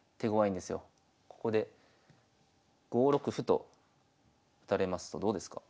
ここで５六歩と打たれますとどうですか？